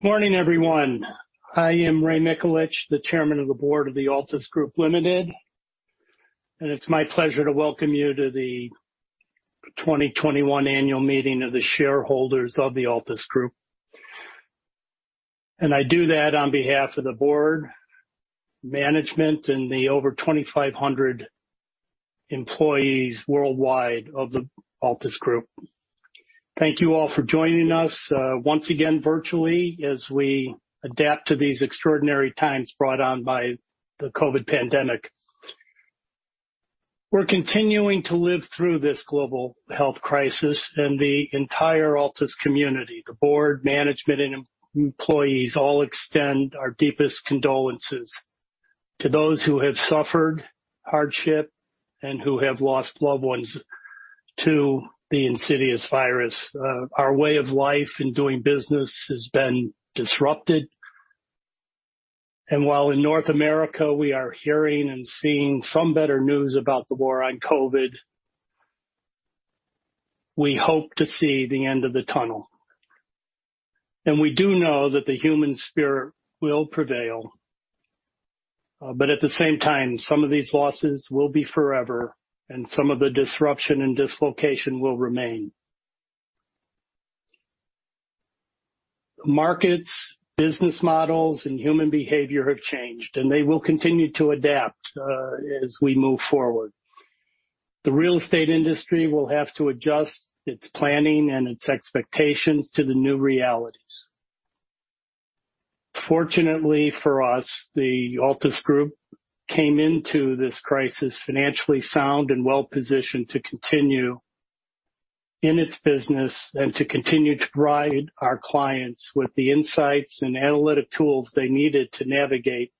Morning, everyone. I am Ray Mikulich, the Chairman of the Board of the Altus Group Limited. It's my pleasure to welcome you to the 2021 Annual Meeting of the Shareholders of the Altus Group. I do that on behalf of the board, management, and the over 2,500 employees worldwide of the Altus Group. Thank you all for joining us, once again virtually, as we adapt to these extraordinary times brought on by the COVID pandemic. We're continuing to live through this global health crisis. The entire Altus community, the board, management, and employees, all extend our deepest condolences to those who have suffered hardship and who have lost loved ones to the insidious virus. Our way of life and doing business has been disrupted. While in North America we are hearing and seeing some better news about the war on COVID, we hope to see the end of the tunnel. We do know that the human spirit will prevail. At the same time, some of these losses will be forever, and some of the disruption and dislocation will remain. Markets, business models, and human behavior have changed, and they will continue to adapt as we move forward. The real estate industry will have to adjust its planning and its expectations to the new realities. Fortunately for us, the Altus Group came into this crisis financially sound and well-positioned to continue in its business and to continue to provide our clients with the insights and analytic tools they needed to navigate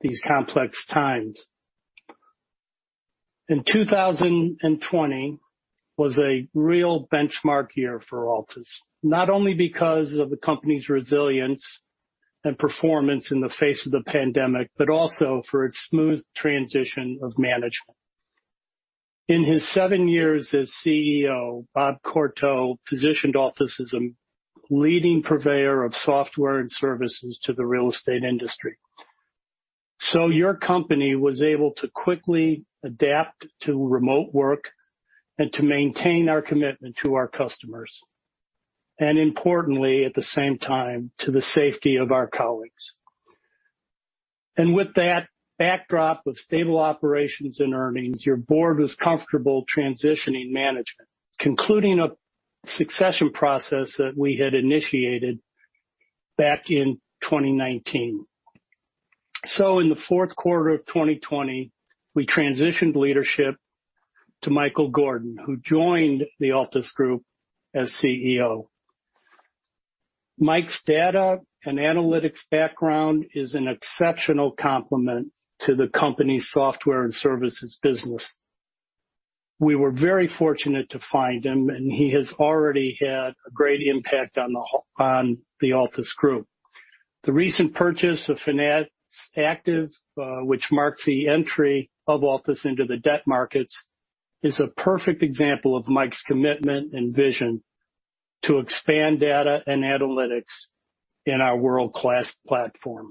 these complex times. 2020 was a real benchmark year for Altus, not only because of the company's resilience and performance in the face of the pandemic, but also for its smooth transition of management. In his seven years as CEO, Rob Courteau positioned Altus as a leading purveyor of software and services to the real estate industry. Your company was able to quickly adapt to remote work and to maintain our commitment to our customers, and importantly, at the same time, to the safety of our colleagues. With that backdrop of stable operations and earnings, your board was comfortable transitioning management, concluding a succession process that we had initiated back in 2019. In the fourth quarter of 2020, we transitioned leadership to Michael Gordon, who joined the Altus Group as CEO. Mike's data and analytics background is an exceptional complement to the company's software and services business. We were very fortunate to find him. He has already had a great impact on the Altus Group. The recent purchase of Finance Active, which marks the entry of Altus into the debt markets, is a perfect example of Mike's commitment and vision to expand data and analytics in our world-class platform.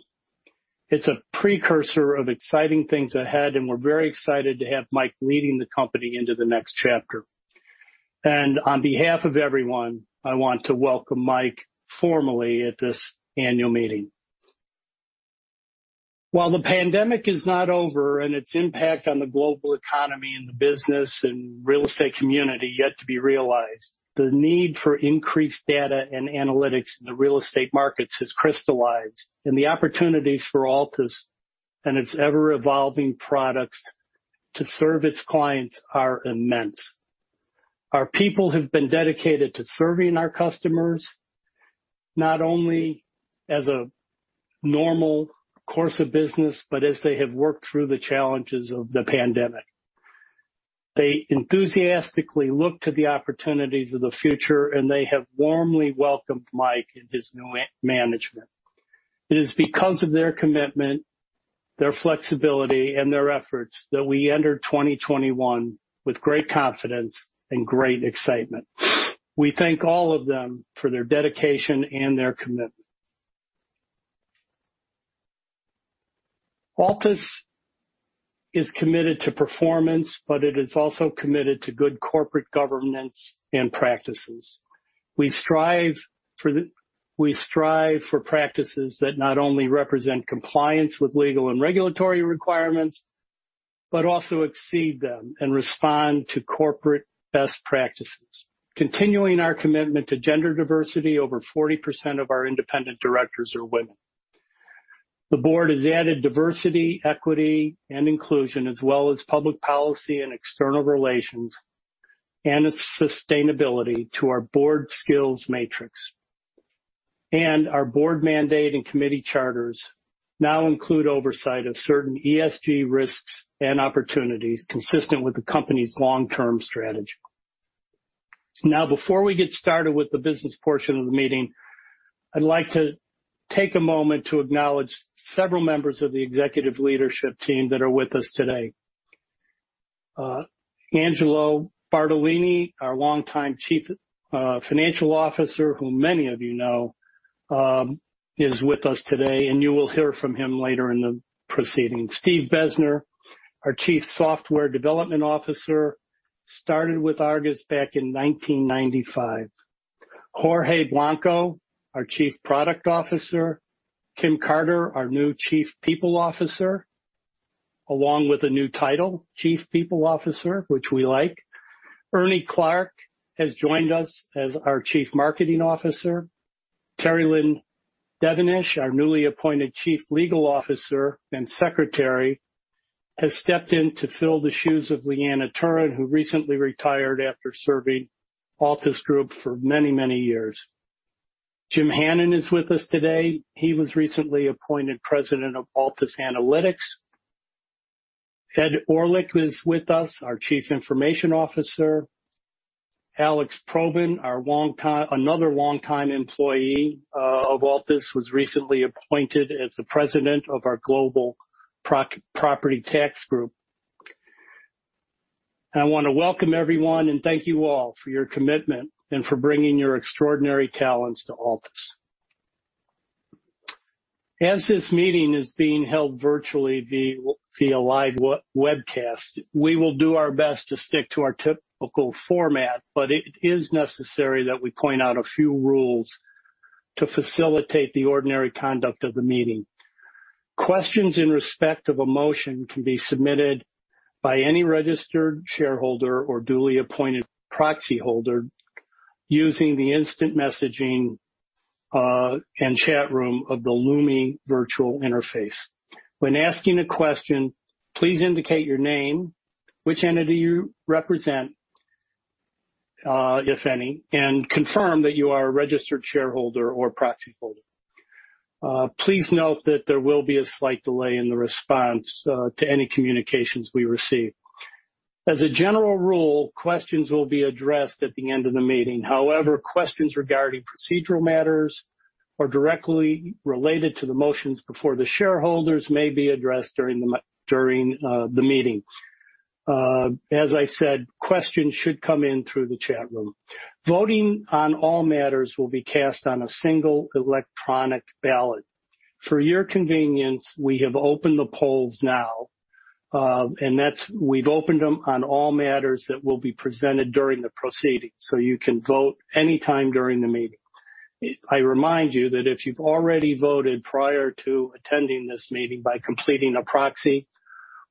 It's a precursor of exciting things ahead. We're very excited to have Mike leading the company into the next chapter. On behalf of everyone, I want to welcome Mike formally at this annual meeting. While the pandemic is not over and its impact on the global economy and the business and real estate community yet to be realized, the need for increased data and analytics in the real estate markets has crystallized. The opportunities for Altus and its ever-evolving products to serve its clients are immense. Our people have been dedicated to serving our customers, not only as a normal course of business, but as they have worked through the challenges of the pandemic. They enthusiastically look to the opportunities of the future, and they have warmly welcomed Mike and his new management. It is because of their commitment, their flexibility, and their efforts that we enter 2021 with great confidence and great excitement. We thank all of them for their dedication and their commitment. Altus is committed to performance, but it is also committed to good corporate governance and practices. We strive for practices that not only represent compliance with legal and regulatory requirements, but also exceed them and respond to corporate best practices. Continuing our commitment to gender diversity, over 40% of our independent directors are women. The board has added diversity, equity, and inclusion, as well as public policy and external relations, and sustainability to our board skills matrix. Our board mandate and committee charters now include oversight of certain ESG risks and opportunities consistent with the company's long-term strategy. Now, before we get started with the business portion of the meeting, I'd like to take a moment to acknowledge several members of the executive leadership team that are with us today. Angelo Bartolini, our longtime Chief Financial Officer, who many of you know, is with us today, and you will hear from him later in the proceedings. Steve Bezner, our Chief Software Development Officer, started with Argus back in 1995. Jorge Blanco, our Chief Product Officer. Kim Carter, our new Chief People Officer, along with a new title, Chief People Officer, which we like. Ernie Clark has joined us as our Chief Marketing Officer. Terrie-Lynne Devonish, our newly appointed Chief Legal Officer and Secretary, has stepped in to fill the shoes of Leanne Thurlborn, who recently retired after serving Altus Group for many, many years. Jim Hannon is with us today. He was recently appointed President of Altus Analytics. Ed Orlick is with us, our Chief Information Officer. Alex Probyn, another longtime employee of Altus, was recently appointed as the President of our Global Property Tax group. I want to welcome everyone and thank you all for your commitment and for bringing your extraordinary talents to Altus. As this meeting is being held virtually via live webcast, we will do our best to stick to our typical format, but it is necessary that we point out a few rules to facilitate the ordinary conduct of the meeting. Questions in respect of a motion can be submitted by any registered shareholder or duly appointed proxyholder using the instant messaging and chat room of the Lumi virtual interface. When asking a question, please indicate your name, which entity you represent, if any, and confirm that you are a registered shareholder or proxyholder. Please note that there will be a slight delay in the response to any communications we receive. As a general rule, questions will be addressed at the end of the meeting. However, questions regarding procedural matters or directly related to the motions before the shareholders may be addressed during the meeting. As I said, questions should come in through the chat room. Voting on all matters will be cast on a single electronic ballot. For your convenience, we have opened the polls now, and we've opened them on all matters that will be presented during the proceedings, so you can vote any time during the meeting. I remind you that if you've already voted prior to attending this meeting by completing a proxy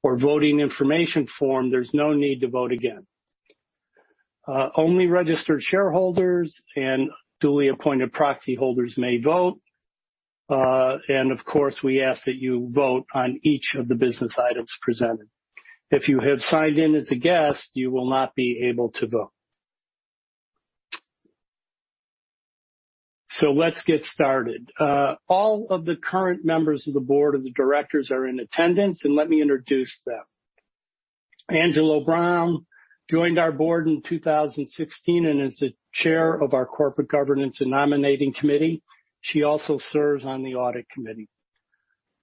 or voting information form, there's no need to vote again. Only registered shareholders and duly appointed proxyholders may vote. Of course, we ask that you vote on each of the business items presented. If you have signed in as a guest, you will not be able to vote. Let's get started. All of the current members of the board of the directors are in attendance, and let me introduce them. Angela Brown joined our board in 2016 and is the Chair of our Corporate Governance and Nominating Committee. She also serves on the Audit Committee.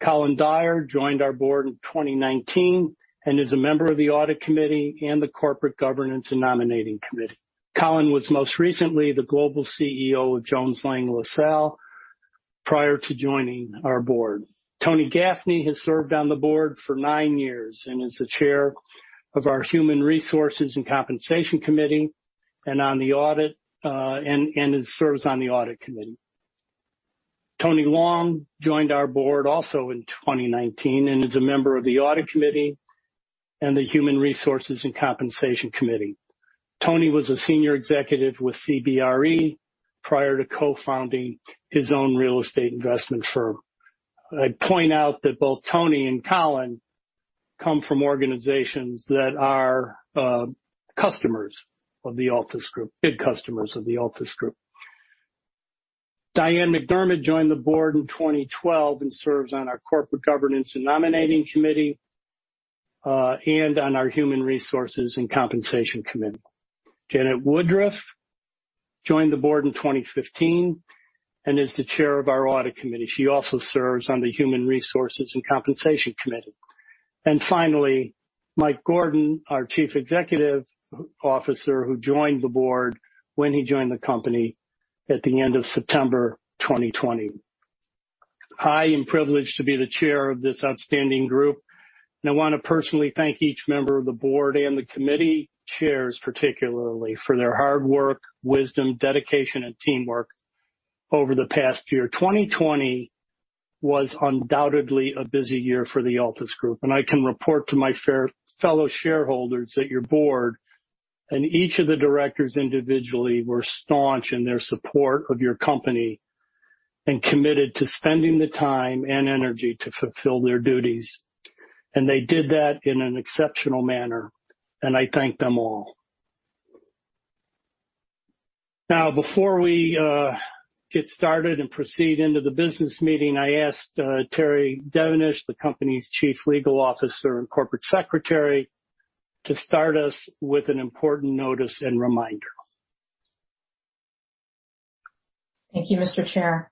Colin Dyer joined our board in 2019 and is a member of the Audit Committee and the Corporate Governance and Nominating Committee. Colin was most recently the global CEO of Jones Lang LaSalle prior to joining our board. Tony Gaffney has served on the board for nine years and is the chair of our Human Resources and Compensation Committee and serves on the Audit Committee. Tony Long joined our board also in 2019 and is a member of the Audit Committee and the Human Resources and Compensation Committee. Tony was a senior executive with CBRE prior to co-founding his own real estate investment firm. I'd point out that both Tony and Colin come from organizations that are customers of the Altus Group, big customers of the Altus Group. Diane MacDiarmid joined the board in 2012 and serves on our Corporate Governance and Nominating Committee, and on our Human Resources and Compensation Committee. Janet Woodruff joined the board in 2015 and is the Chair of our Audit Committee. She also serves on the Human Resources and Compensation Committee. Finally, Mike Gordon, our Chief Executive Officer, who joined the board when he joined the company at the end of September 2020. I am privileged to be the chair of this outstanding group, and I want to personally thank each member of the board and the committee chairs, particularly, for their hard work, wisdom, dedication, and teamwork over the past year. 2020 was undoubtedly a busy year for the Altus Group, and I can report to my fellow shareholders that your board and each of the directors individually were staunch in their support of your company and committed to spending the time and energy to fulfill their duties. They did that in an exceptional manner, and I thank them all. Now, before we get started and proceed into the business meeting, I asked Terrie Devonish, the company's Chief Legal Officer and Corporate Secretary, to start us with an important notice and reminder. Thank you, Mr. Chair.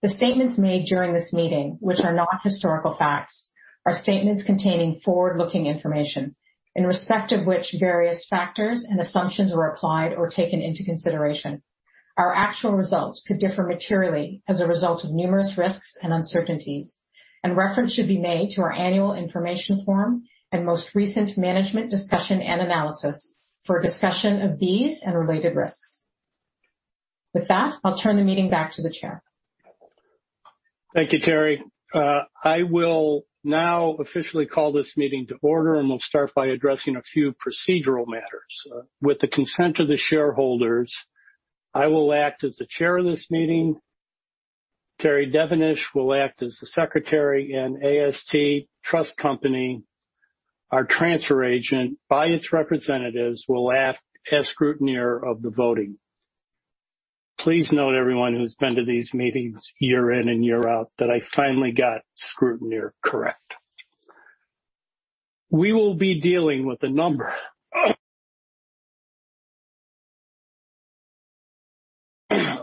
The statements made during this meeting, which are not historical facts, are statements containing forward-looking information, in respect of which various factors and assumptions were applied or taken into consideration. Reference should be made to our annual information form and most recent management discussion and analysis for a discussion of these and related risks. With that, I'll turn the meeting back to the chair. Thank you, Terrie. I will now officially call this meeting to order, and we'll start by addressing a few procedural matters. With the consent of the shareholders, I will act as the chair of this meeting. Terrie Devonish will act as the secretary, and AST Trust Company, our transfer agent, by its representatives, will act as scrutineer of the voting. Please note, everyone who's been to these meetings year in and year out, that I finally got scrutineer correct. We will be dealing with a number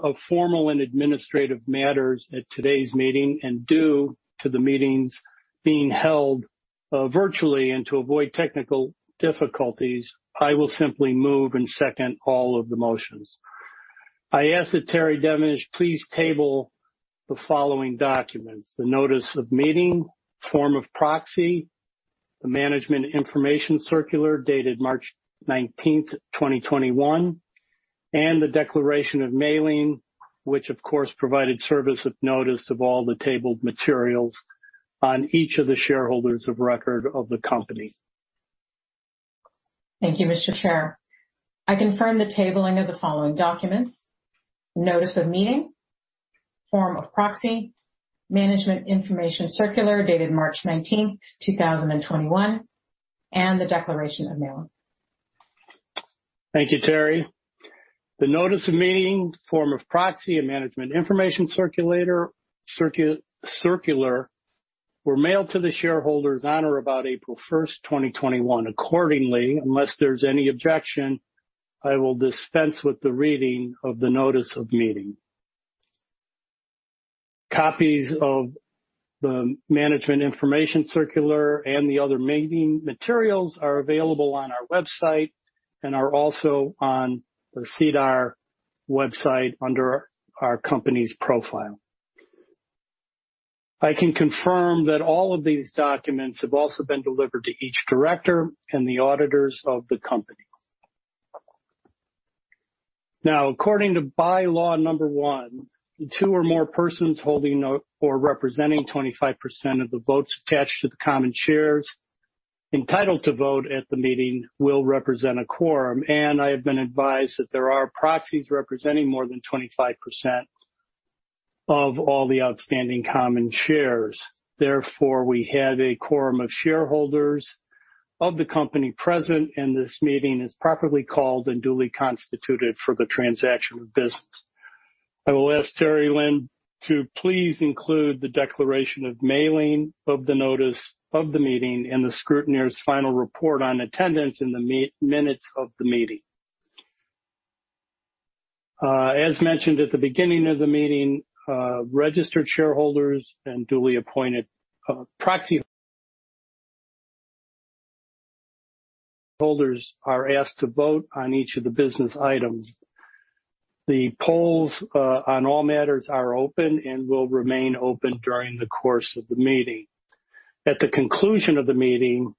of formal and administrative matters at today's meeting, and due to the meetings being held virtually and to avoid technical difficulties, I will simply move and second all of the motions. I ask that Terrie Devonish please table the following documents, the notice of meeting, form of proxy, the management information circular dated March 19th, 2021, and the declaration of mailing, which of course provided service of notice of all the tabled materials on each of the shareholders of record of the company. Thank you, Mr. Chair. I confirm the tabling of the following documents: Notice of meeting, form of proxy, management information circular dated March 19th, 2021, and the declaration of mailing. Thank you, Terrie. The notice of meeting, form of proxy, and management information circular were mailed to the shareholders on or about April 1st, 2021. Accordingly, unless there's any objection, I will dispense with the reading of the notice of meeting. Copies of the management information circular and the other meeting materials are available on our website and are also on the SEDAR website under our company's profile. I can confirm that all of these documents have also been delivered to each director and the auditors of the company. Now, according to bylaw number one, two or more persons holding or representing 25% of the votes attached to the common shares entitled to vote at the meeting will represent a quorum, and I have been advised that there are proxies representing more than 25% of all the outstanding common shares. We have a quorum of shareholders of the company present, and this meeting is properly called and duly constituted for the transaction of business. I will ask Terrie-Lynne to please include the declaration of mailing of the notice of the meeting and the scrutineer's final report on attendance in the minutes of the meeting. As mentioned at the beginning of the meeting, registered shareholders and duly appointed proxy holders are asked to vote on each of the business items. The polls on all matters are open and will remain open during the course of the meeting. At the conclusion of the meeting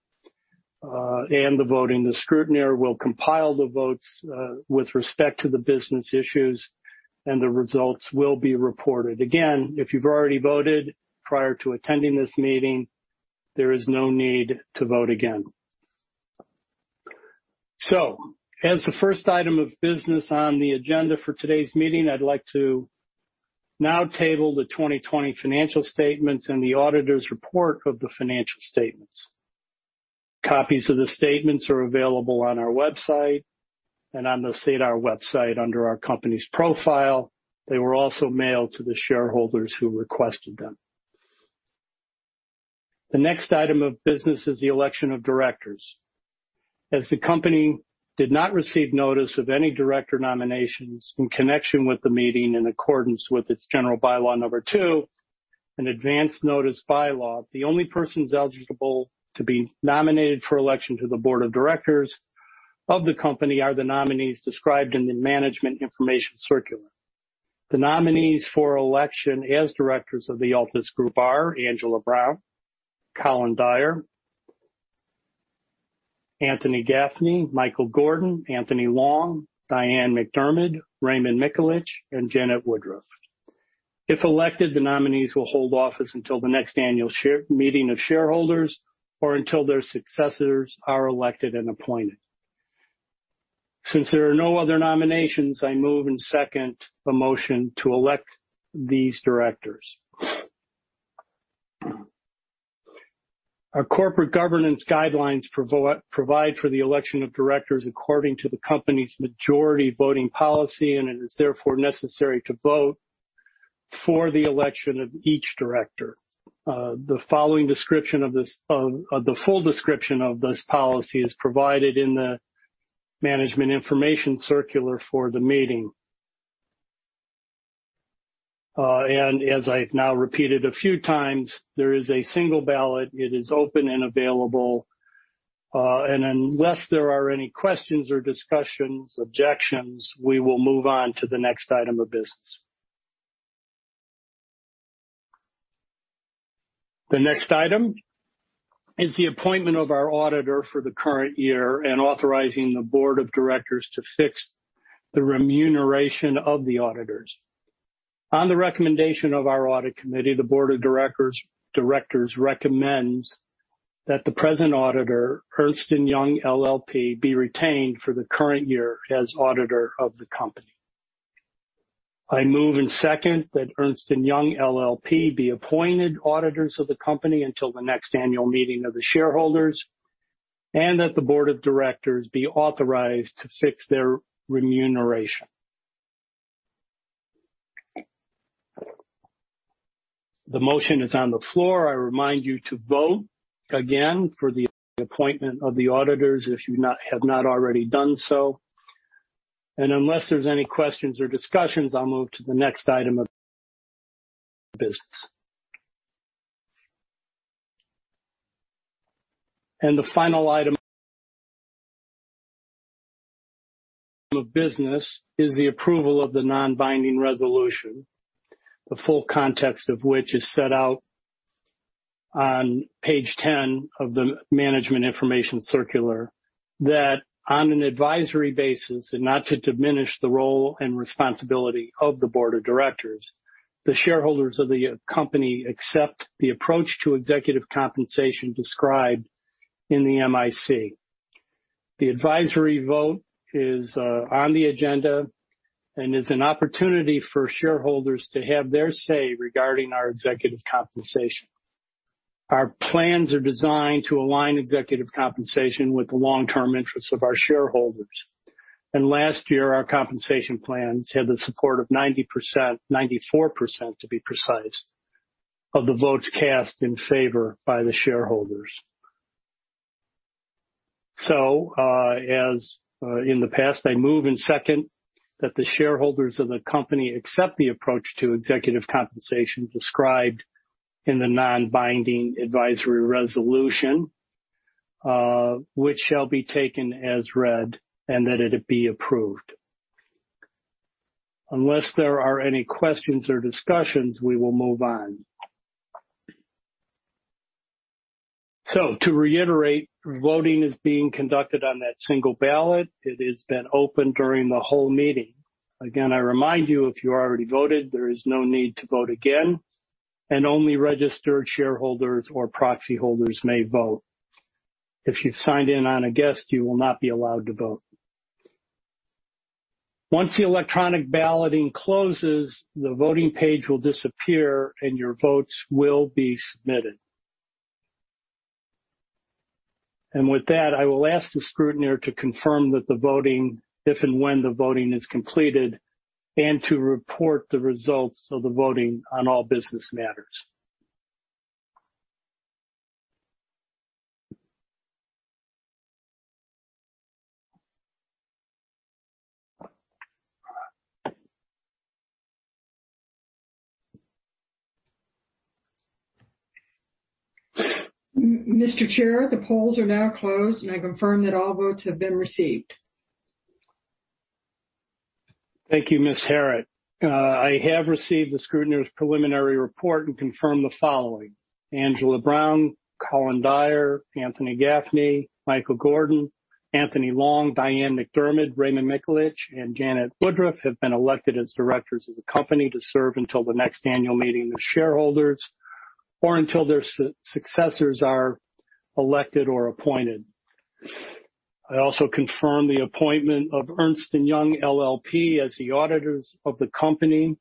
and the voting, the scrutineer will compile the votes with respect to the business issues, and the results will be reported. If you've already voted prior to attending this meeting, there is no need to vote again. As the first item of business on the agenda for today's meeting, I'd like to now table the 2020 financial statements and the auditor's report of the financial statements. Copies of the statements are available on our website and on the SEDAR website under our company's profile. They were also mailed to the shareholders who requested them. The next item of business is the election of directors. As the company did not receive notice of any director nominations in connection with the meeting in accordance with its general bylaw number 2, an advanced notice bylaw, the only persons eligible to be nominated for election to the board of directors of the company are the nominees described in the management information circular. The nominees for election as directors of the Altus Group are Angela Brown, Colin Dyer, Anthony Gaffney, Michael Gordon, Anthony Long, Diane MacDiarmid, Raymond Mikulich, and Janet Woodruff. If elected, the nominees will hold office until the next annual meeting of shareholders or until their successors are elected and appointed. Since there are no other nominations, I move and second the motion to elect these directors. Our corporate governance guidelines provide for the election of directors according to the company's majority voting policy, and it is therefore necessary to vote for the election of each director. The full description of this policy is provided in the management information circular for the meeting. As I've now repeated a few times, there is a single ballot. It is open and available. Unless there are any questions or discussions, objections, we will move on to the next item of business. The next item is the appointment of our auditor for the current year and authorizing the board of directors to fix the remuneration of the auditors. On the recommendation of our Audit Committee, the board of directors recommends that the present auditor, Ernst & Young LLP, be retained for the current year as auditor of the company. I move and second that Ernst & Young LLP be appointed auditors of the company until the next annual meeting of the shareholders, and that the board of directors be authorized to fix their remuneration. The motion is on the floor. I remind you to vote again for the appointment of the auditors, if you have not already done so. Unless there's any questions or discussions, I'll move to the next item of business. The final item of business is the approval of the non-binding resolution, the full context of which is set out on page 10 of the management information circular, that on an advisory basis, and not to diminish the role and responsibility of the board of directors, the shareholders of the company accept the approach to executive compensation described in the MIC. The advisory vote is on the agenda and is an opportunity for shareholders to have their say regarding our executive compensation. Our plans are designed to align executive compensation with the long-term interests of our shareholders. Last year, our compensation plans had the support of 90%, 94% to be precise, of the votes cast in favor by the shareholders. As in the past, I move and second that the shareholders of the company accept the approach to executive compensation described in the non-binding advisory resolution, which shall be taken as read, and that it be approved. Unless there are any questions or discussions, we will move on. To reiterate, voting is being conducted on that single ballot. It has been open during the whole meeting. Again, I remind you, if you already voted, there is no need to vote again, and only registered shareholders or proxy holders may vote. If you've signed in on a guest, you will not be allowed to vote. Once the electronic balloting closes, the voting page will disappear, and your votes will be submitted. With that, I will ask the scrutineer to confirm if and when the voting is completed and to report the results of the voting on all business matters. Mr. Chair, the polls are now closed, and I confirm that all votes have been received. Thank you, Ms. Harot. I have received the scrutineer's preliminary report and confirm the following. Angela Brown, Colin Dyer, Anthony Gaffney, Michael Gordon, Anthony Long, Diane MacDiarmid, Raymond Mikulich, and Janet Woodruff have been elected as directors of the company to serve until the next annual meeting of shareholders or until their successors are elected or appointed. I also confirm the appointment of Ernst & Young LLP as the auditors of the company.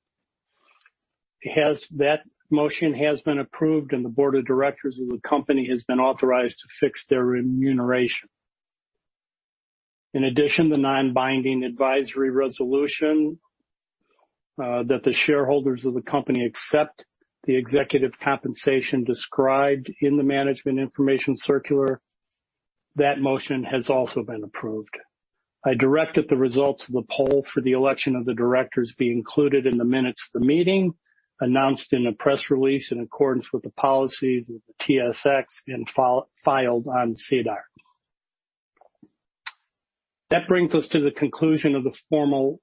That motion has been approved, and the Board of Directors of the company has been authorized to fix their remuneration. In addition, the non-binding advisory resolution that the shareholders of the company accept the executive compensation described in the management information circular, that motion has also been approved. I direct that the results of the poll for the election of the directors be included in the minutes of the meeting, announced in a press release in accordance with the policies of the TSX, and filed on SEDAR. That brings us to the conclusion of the formal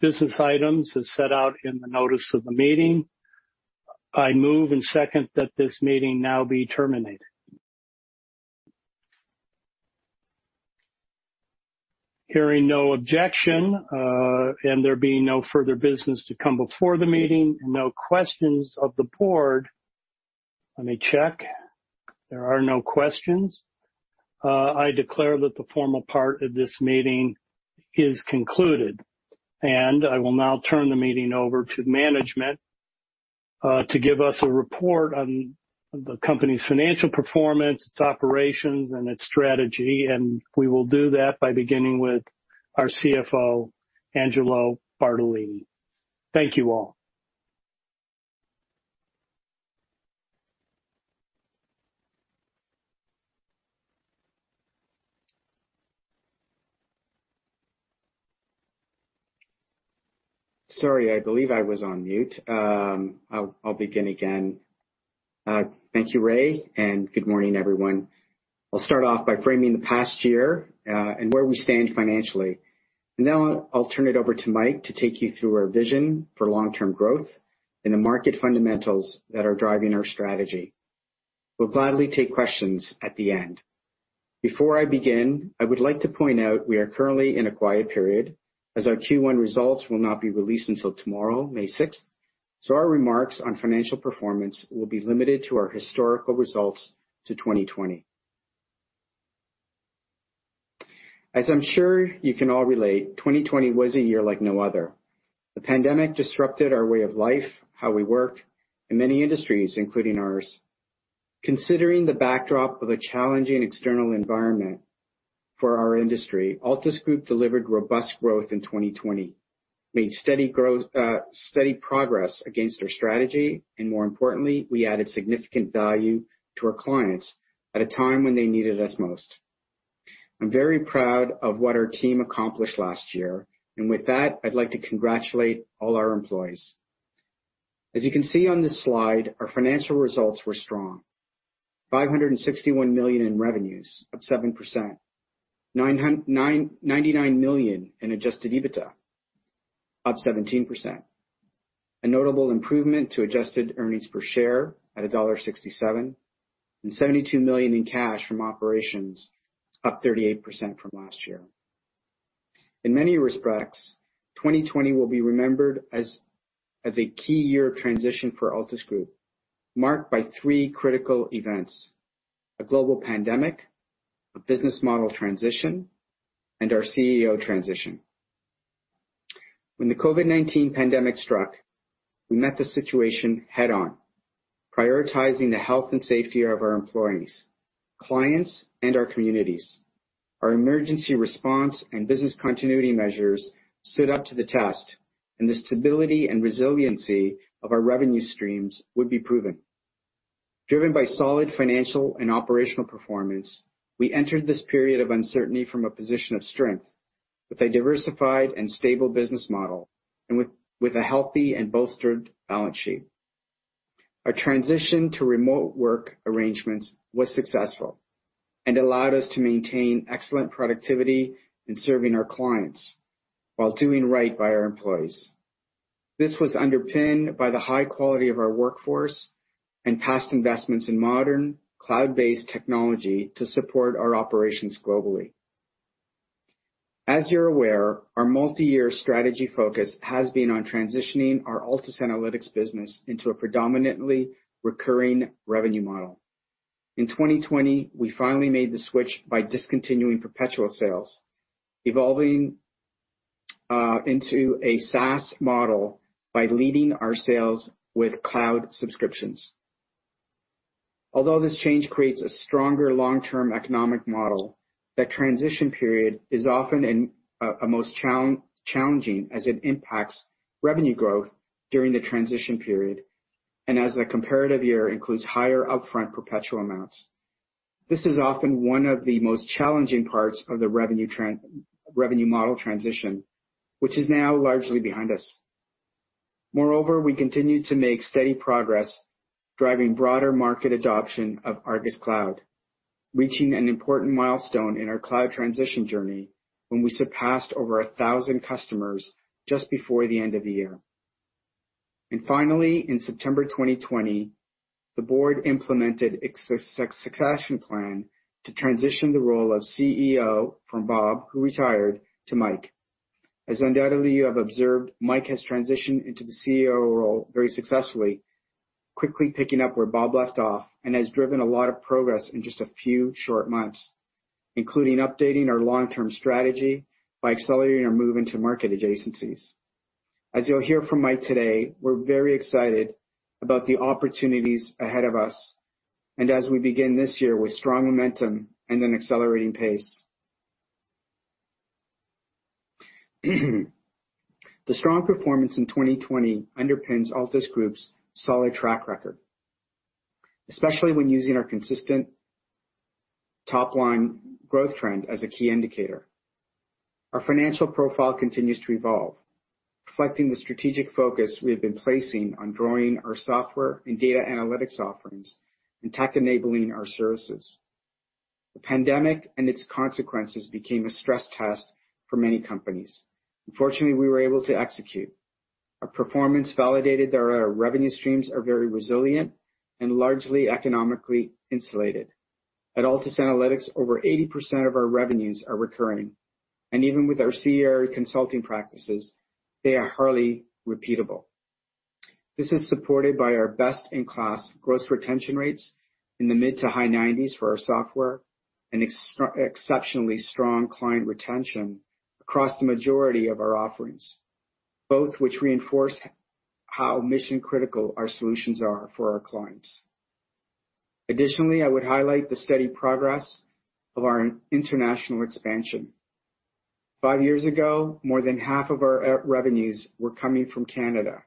business items as set out in the notice of the meeting. I move and second that this meeting now be terminated. Hearing no objection, and there being no further business to come before the meeting, and no questions of the board. Let me check. There are no questions. I declare that the formal part of this meeting is concluded. I will now turn the meeting over to management, to give us a report on the company's financial performance, its operations, and its strategy. We will do that by beginning with our CFO, Angelo Bartolini. Thank you all. Sorry, I believe I was on mute. I'll begin again. Thank you, Ray, and good morning, everyone. I'll start off by framing the past year and where we stand financially, and then I'll turn it over to Mike to take you through our vision for long-term growth and the market fundamentals that are driving our strategy. We'll gladly take questions at the end. Before I begin, I would like to point out we are currently in a quiet period as our Q1 results will not be released until tomorrow, May 6th. Our remarks on financial performance will be limited to our historical results to 2020. As I'm sure you can all relate, 2020 was a year like no other. The pandemic disrupted our way of life, how we work, and many industries, including ours. Considering the backdrop of a challenging external environment for our industry, Altus Group delivered robust growth in 2020, made steady progress against our strategy, and more importantly, we added significant value to our clients at a time when they needed us most. I'm very proud of what our team accomplished last year. With that, I'd like to congratulate all our employees. As you can see on this slide, our financial results were strong. 561 million in revenues, up 7%. 99 million in adjusted EBITDA, up 17%. A notable improvement to adjusted earnings per share at dollar 1.67, and 72 million in cash from operations, up 38% from last year. In many respects, 2020 will be remembered as a key year of transition for Altus Group, marked by three critical events, a global pandemic, a business model transition, and our CEO transition. When the COVID-19 pandemic struck, we met the situation head-on, prioritizing the health and safety of our employees, clients, and our communities. Our emergency response and business continuity measures stood up to the test, and the stability and resiliency of our revenue streams would be proven. Driven by solid financial and operational performance, we entered this period of uncertainty from a position of strength with a diversified and stable business model and with a healthy and bolstered balance sheet. Our transition to remote work arrangements was successful and allowed us to maintain excellent productivity in serving our clients while doing right by our employees. This was underpinned by the high quality of our workforce and past investments in modern cloud-based technology to support our operations globally. As you're aware, our multi-year strategy focus has been on transitioning our Altus Analytics business into a predominantly recurring revenue model. In 2020, we finally made the switch by discontinuing perpetual sales, evolving into a SaaS model by leading our sales with cloud subscriptions. Although this change creates a stronger long-term economic model, that transition period is often the most challenging as it impacts revenue growth during the transition period and as the comparative year includes higher upfront perpetual amounts. This is often one of the most challenging parts of the revenue model transition, which is now largely behind us. Moreover, we continued to make steady progress driving broader market adoption of ARGUS Cloud, reaching an important milestone in our cloud transition journey when we surpassed over 1,000 customers just before the end of the year. Finally, in September 2020, the board implemented a succession plan to transition the role of CEO from Bob, who retired, to Mike. As undoubtedly you have observed, Mike has transitioned into the CEO role very successfully, quickly picking up where Bob left off and has driven a lot of progress in just a few short months, including updating our long-term strategy by accelerating our move into market adjacencies. As you'll hear from Mike today, we're very excited about the opportunities ahead of us, and as we begin this year with strong momentum and an accelerating pace. The strong performance in 2020 underpins Altus Group's solid track record, especially when using our consistent top-line growth trend as a key indicator. Our financial profile continues to evolve, reflecting the strategic focus we have been placing on growing our software and data analytics offerings and tech-enabling our services. The pandemic and its consequences became a stress test for many companies. Unfortunately, we were able to execute. Our performance validated that our revenue streams are very resilient and largely economically insulated. At Altus Analytics, over 80% of our revenues are recurring. Even with our CRE consulting practices, they are hardly repeatable. This is supported by our best-in-class gross retention rates in the mid to high 90s for our software and exceptionally strong client retention across the majority of our offerings, both which reinforce how mission-critical our solutions are for our clients. Additionally, I would highlight the steady progress of our international expansion. Five years ago, more than half of our revenues were coming from Canada.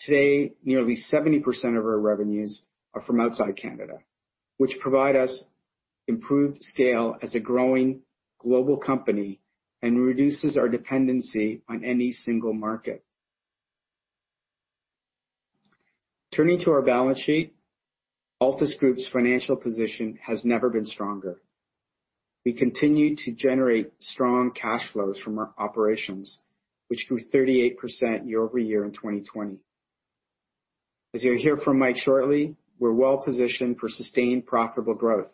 Today, nearly 70% of our revenues are from outside Canada, which provide us improved scale as a growing global company and reduces our dependency on any single market. Turning to our balance sheet, Altus Group's financial position has never been stronger. We continue to generate strong cash flows from our operations, which grew 38% year-over-year in 2020. As you'll hear from Mike shortly, we're well-positioned for sustained profitable growth,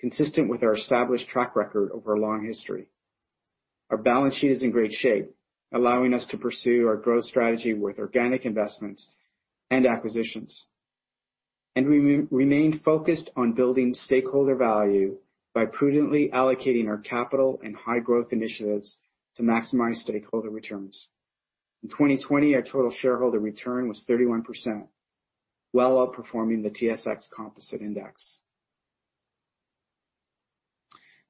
consistent with our established track record over a long history. Our balance sheet is in great shape, allowing us to pursue our growth strategy with organic investments and acquisitions. We remain focused on building stakeholder value by prudently allocating our capital and high-growth initiatives to maximize stakeholder returns. In 2020, our total shareholder return was 31%, well outperforming the TSX Composite Index.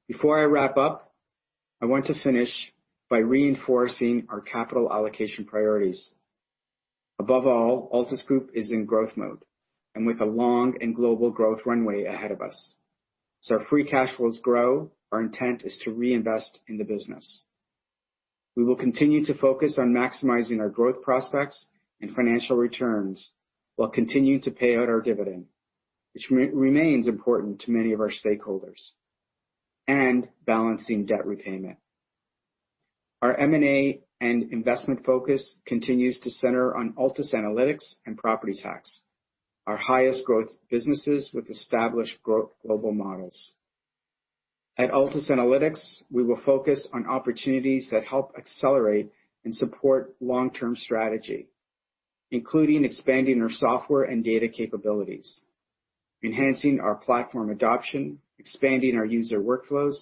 Before I wrap up, I want to finish by reinforcing our capital allocation priorities. Above all, Altus Group is in growth mode and with a long and global growth runway ahead of us. As our free cash flows grow, our intent is to reinvest in the business. We will continue to focus on maximizing our growth prospects and financial returns, while continuing to pay out our dividend, which remains important to many of our stakeholders, and balancing debt repayment. Our M&A and investment focus continues to center on Altus Analytics and Property Tax, our highest growth businesses with established global models. At Altus Analytics, we will focus on opportunities that help accelerate and support long-term strategy, including expanding our software and data capabilities, enhancing our platform adoption, expanding our user workflows,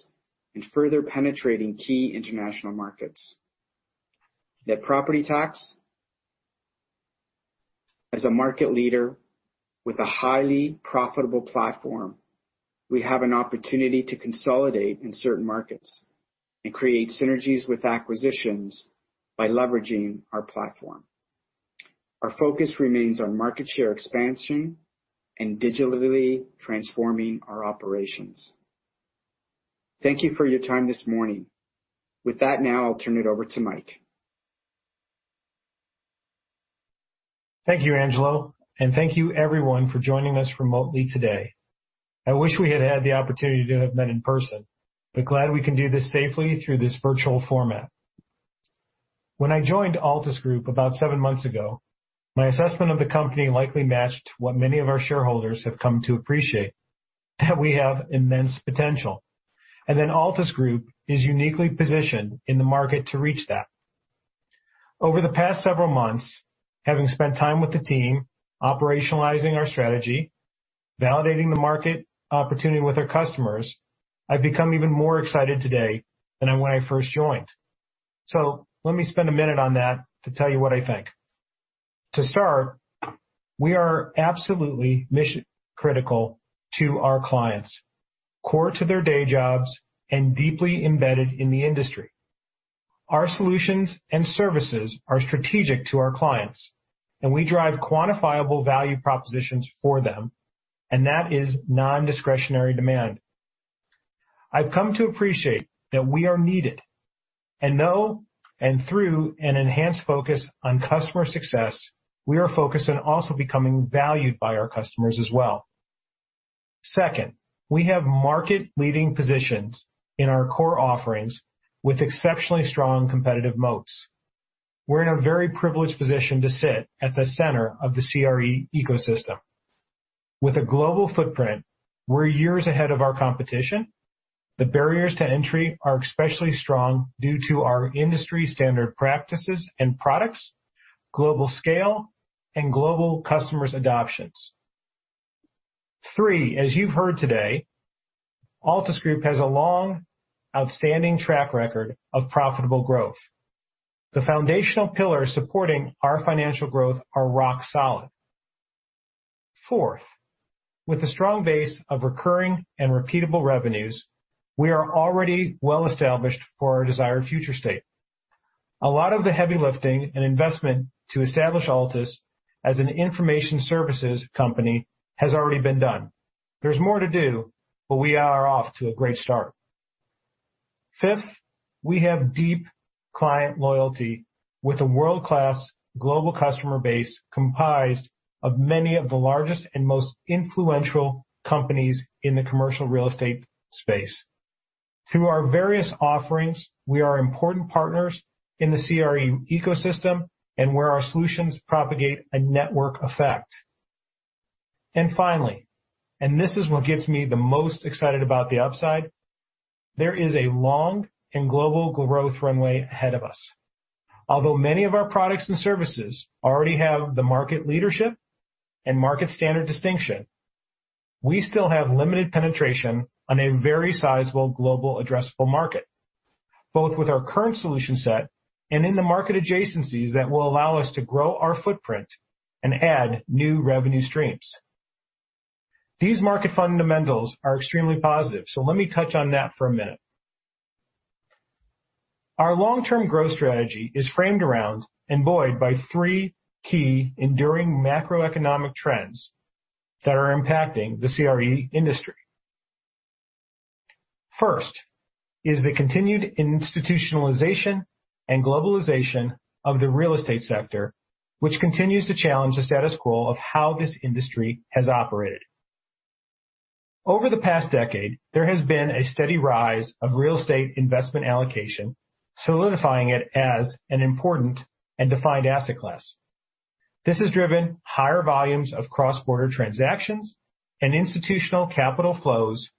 and further penetrating key international markets. At Property Tax, as a market leader with a highly profitable platform, we have an opportunity to consolidate in certain markets and create synergies with acquisitions by leveraging our platform. Our focus remains on market share expansion and digitally transforming our operations. Thank you for your time this morning. With that, now I'll turn it over to Mike. Thank you, Angelo, and thank you everyone for joining us remotely today. I wish we had had the opportunity to have met in person, but glad we can do this safely through this virtual format. When I joined Altus Group about seven months ago, my assessment of the company likely matched what many of our shareholders have come to appreciate, that we have immense potential, and that Altus Group is uniquely positioned in the market to reach that. Over the past several months, having spent time with the team operationalizing our strategy, validating the market opportunity with our customers, I've become even more excited today than when I first joined. Let me spend a minute on that to tell you what I think. To start, we are absolutely mission-critical to our clients, core to their day jobs, and deeply embedded in the industry. Our solutions and services are strategic to our clients, and we drive quantifiable value propositions for them, and that is non-discretionary demand. I've come to appreciate that we are needed, and through an enhanced focus on customer success, we are focused on also becoming valued by our customers as well. Second, we have market-leading positions in our core offerings with exceptionally strong competitive moats. We're in a very privileged position to sit at the center of the CRE ecosystem. With a global footprint, we're years ahead of our competition. The barriers to entry are especially strong due to our industry standard practices and products, global scale, and global customer adoption. Three, as you've heard today, Altus Group has a long, outstanding track record of profitable growth. The foundational pillars supporting our financial growth are rock solid. Fourth, with a strong base of recurring and repeatable revenues, we are already well established for our desired future state. A lot of the heavy lifting and investment to establish Altus as an information services company has already been done. There's more to do, but we are off to a great start. Fifth, we have deep client loyalty with a world-class global customer base comprised of many of the largest and most influential companies in the commercial real estate space. Through our various offerings, we are important partners in the CRE ecosystem and where our solutions propagate a network effect. Finally, and this is what gets me the most excited about the upside, there is a long and global growth runway ahead of us. Although many of our products and services already have the market leadership and market standard distinction, we still have limited penetration on a very sizable global addressable market. Both with our current solution set and in the market adjacencies that will allow us to grow our footprint and add new revenue streams. These market fundamentals are extremely positive, let me touch on that for a minute. Our long-term growth strategy is framed around and buoyed by three key enduring macroeconomic trends that are impacting the CRE industry. First is the continued institutionalization and globalization of the real estate sector, which continues to challenge the status quo of how this industry has operated. Over the past decade, there has been a steady rise of real estate investment allocation, solidifying it as an important and defined asset class. This has driven higher volumes of cross-border transactions and institutional capital flows,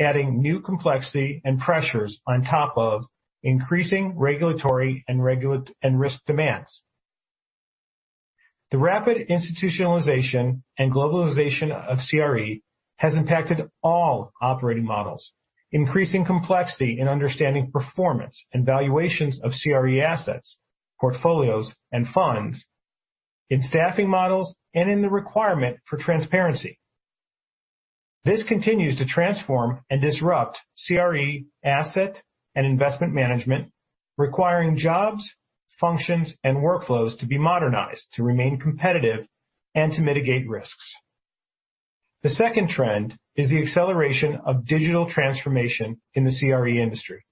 adding new complexity and pressures on top of increasing regulatory and risk demands. The rapid institutionalization and globalization of CRE has impacted all operating models, increasing complexity in understanding performance and valuations of CRE assets, portfolios, and funds, in staffing models, and in the requirement for transparency. This continues to transform and disrupt CRE asset and investment management, requiring jobs, functions, and workflows to be modernized to remain competitive and to mitigate risks. The second trend is the acceleration of digital transformation in the CRE industry.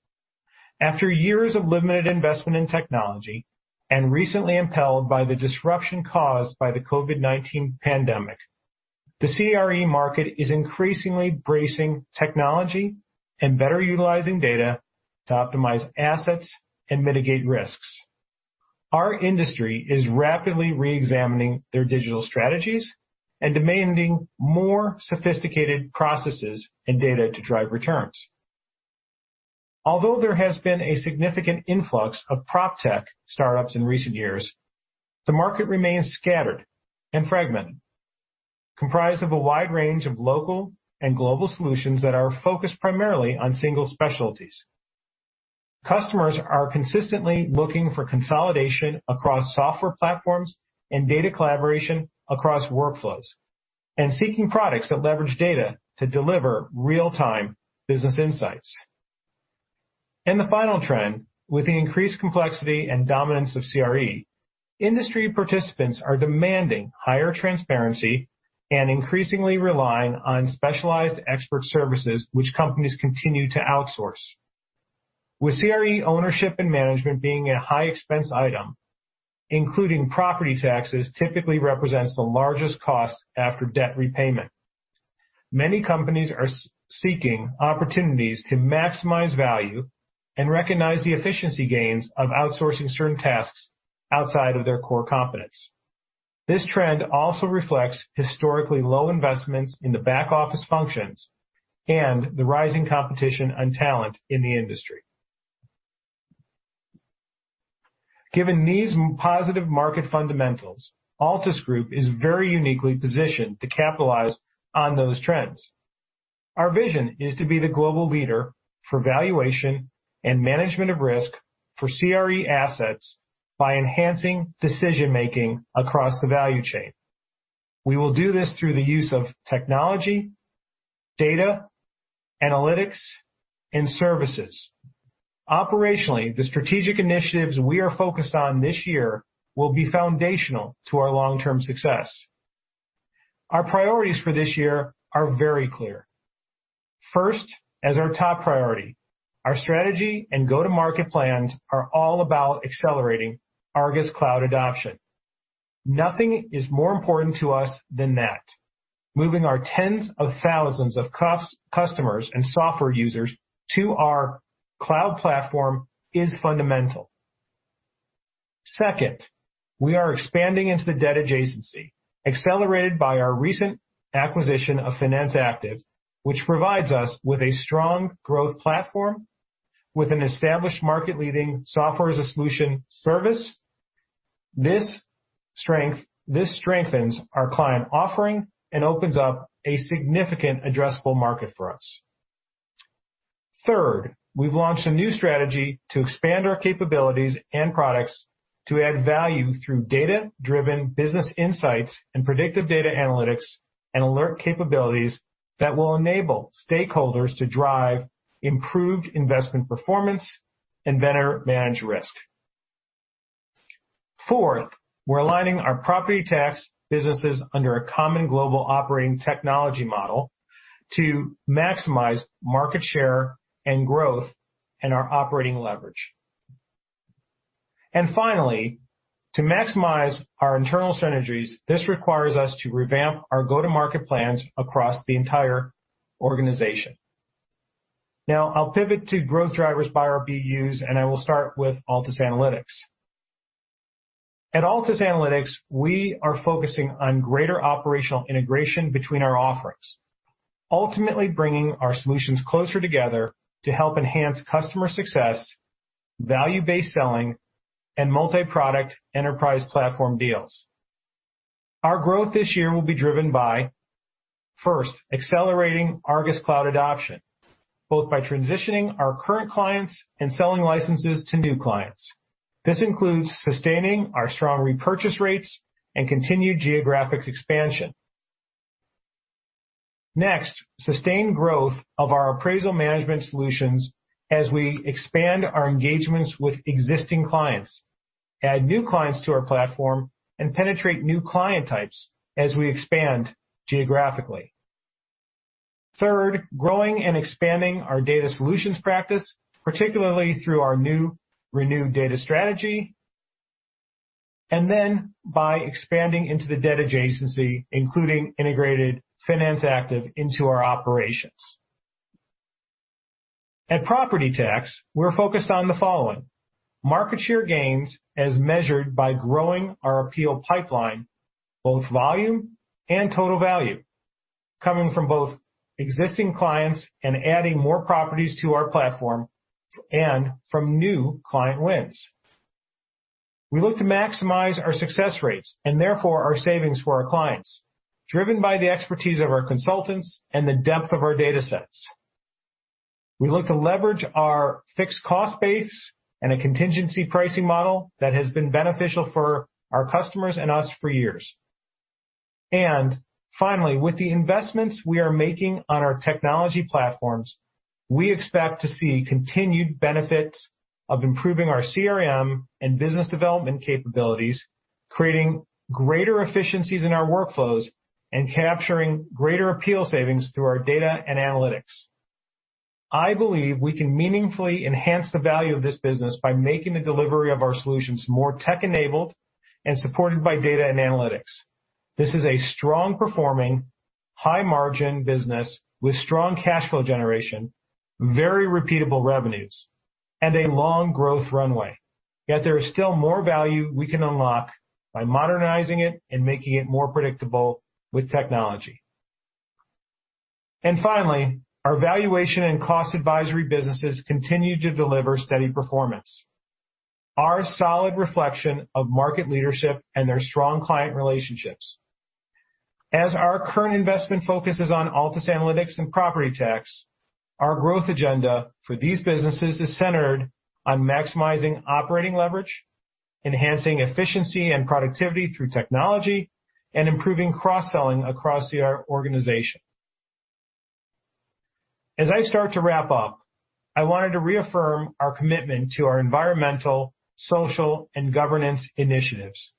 After years of limited investment in technology, and recently impelled by the disruption caused by the COVID-19 pandemic, the CRE market is increasingly bracing technology and better utilizing data to optimize assets and mitigate risks. Our industry is rapidly reexamining their digital strategies and demanding more sophisticated processes and data to drive returns. Although there has been a significant influx of PropTech startups in recent years, the market remains scattered and fragmented, comprised of a wide range of local and global solutions that are focused primarily on single specialties. Customers are consistently looking for consolidation across software platforms and data collaboration across workflows, seeking products that leverage data to deliver real-time business insights. The final trend, with the increased complexity and dominance of CRE, industry participants are demanding higher transparency and increasingly relying on specialized expert services which companies continue to outsource. With CRE ownership and management being a high expense item, including property taxes, typically represents the largest cost after debt repayment. Many companies are seeking opportunities to maximize value and recognize the efficiency gains of outsourcing certain tasks outside of their core competence. This trend also reflects historically low investments in the back office functions and the rising competition on talent in the industry. Given these positive market fundamentals, Altus Group is very uniquely positioned to capitalize on those trends. Our vision is to be the global leader for valuation and management of risk for CRE assets by enhancing decision-making across the value chain. We will do this through the use of technology, data, analytics, and services. Operationally, the strategic initiatives we are focused on this year will be foundational to our long-term success. Our priorities for this year are very clear. First, as our top priority, our strategy and go-to-market plans are all about accelerating ARGUS Cloud adoption. Nothing is more important to us than that. Moving our tens of thousands of customers and software users to our cloud platform is fundamental. Second, we are expanding into the debt adjacency, accelerated by our recent acquisition of Finance Active, which provides us with a strong growth platform with an established market leading software-as-a-solution service. This strengthens our client offering and opens up a significant addressable market for us. Third, we've launched a new strategy to expand our capabilities and products to add value through data-driven business insights and predictive data analytics, and alert capabilities that will enable stakeholders to drive improved investment performance and better manage risk. Fourth, we're aligning our Property Tax businesses under a common global operating technology model to maximize market share and growth and our operating leverage. Finally, to maximize our internal synergies, this requires us to revamp our go-to-market plans across the entire organization. I'll pivot to growth drivers by our BUs, and I will start with Altus Analytics. At Altus Analytics, we are focusing on greater operational integration between our offerings. Ultimately bringing our solutions closer together to help enhance customer success, value-based selling, and multi-product enterprise platform deals. Our growth this year will be driven by, first, accelerating ARGUS Cloud adoption, both by transitioning our current clients and selling licenses to new clients. This includes sustaining our strong repurchase rates and continued geographic expansion. Next, sustained growth of our appraisal management solutions as we expand our engagements with existing clients, add new clients to our platform, and penetrate new client types as we expand geographically. Third, growing and expanding our data solutions practice, particularly through our new renewed data strategy, and then by expanding into the debt adjacency, including integrated Finance Active into our operations. At Property Tax, we're focused on the following. Market share gains as measured by growing our appeal pipeline, both volume and total value, coming from both existing clients and adding more properties to our platform, and from new client wins. We look to maximize our success rates, and therefore, our savings for our clients, driven by the expertise of our consultants and the depth of our data sets. We look to leverage our fixed cost base and a contingency pricing model that has been beneficial for our customers and us for years. Finally, with the investments we are making on our technology platforms, we expect to see continued benefits of improving our CRM and business development capabilities, creating greater efficiencies in our workflows, and capturing greater appeal savings through our data and analytics. I believe we can meaningfully enhance the value of this business by making the delivery of our solutions more tech-enabled and supported by data and analytics. This is a strong-performing, high-margin business with strong cash flow generation, very repeatable revenues, and a long growth runway. There is still more value we can unlock by modernizing it and making it more predictable with technology. Finally, our valuation and cost advisory businesses continue to deliver steady performance, are a solid reflection of market leadership and their strong client relationships. As our current investment focus is on Altus Analytics and Property Tax, our growth agenda for these businesses is centered on maximizing operating leverage, enhancing efficiency and productivity through technology, and improving cross-selling across our organization. As I start to wrap up, I wanted to reaffirm our commitment to our environmental, social, and governance initiatives.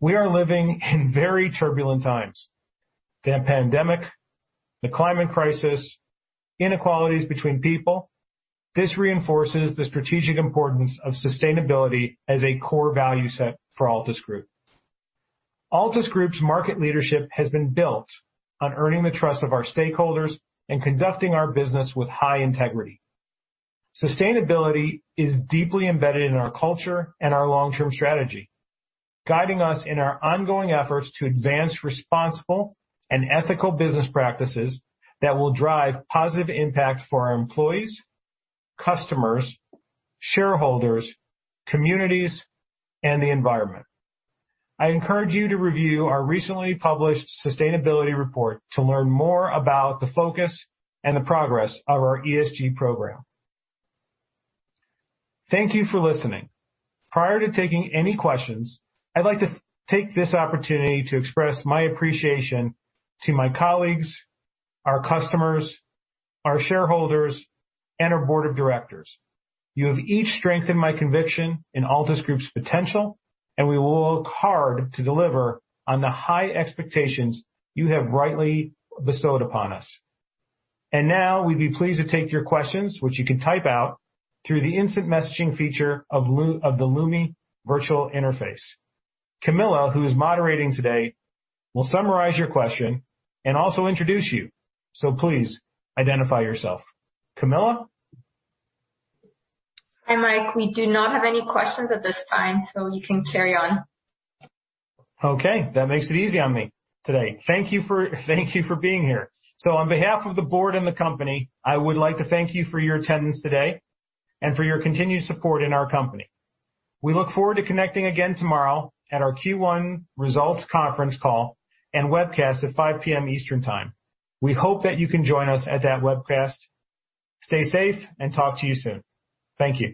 We are living in very turbulent times. The pandemic, the climate crisis, inequalities between people. This reinforces the strategic importance of sustainability as a core value set for Altus Group. Altus Group's market leadership has been built on earning the trust of our stakeholders and conducting our business with high integrity. Sustainability is deeply embedded in our culture and our long-term strategy, guiding us in our ongoing efforts to advance responsible and ethical business practices that will drive positive impact for our employees, customers, shareholders, communities, and the environment. I encourage you to review our recently published sustainability report to learn more about the focus and the progress of our ESG program. Thank you for listening. Prior to taking any questions, I'd like to take this opportunity to express my appreciation to my colleagues, our customers, our shareholders, and our board of directors. You have each strengthened my conviction in Altus Group's potential, and we will work hard to deliver on the high expectations you have rightly bestowed upon us. Now, we'd be pleased to take your questions, which you can type out through the instant messaging feature of the Lumi virtual interface. Camilla, who is moderating today, will summarize your question and also introduce you. So please identify yourself. Camilla? Hi, Mike. We do not have any questions at this time, so you can carry on. That makes it easy on me today. Thank you for being here. On behalf of the board and the company, I would like to thank you for your attendance today and for your continued support in our company. We look forward to connecting again tomorrow at our Q1 results conference call and webcast at 5:00 P.M. Eastern Time. We hope that you can join us at that webcast. Stay safe, and talk to you soon. Thank you.